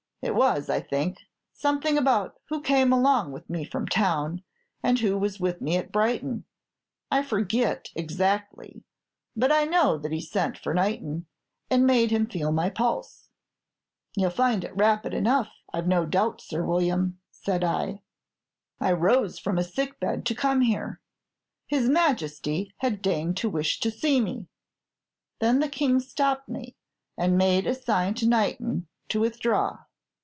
It was, I think, something about who came along with me from town, and who was with me at Brighton, I forget exactly; but I know that he sent for Knighton, and made him feel my pulse. "You'll find it rapid enough, I 've no doubt, Sir William," said I. "I rose from a sick bed to come here; his Majesty had deigned to wish to see me." Then the King stopped me, and made a sign to Knighton to withdraw.